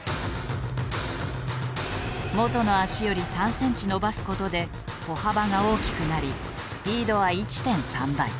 元の脚より３センチ伸ばすことで歩幅が大きくなりスピードは１．３倍。